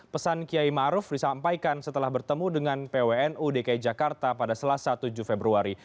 pesan kiai maruf disampaikan setelah bertemu dengan pwnu dki jakarta pada selasa tujuh februari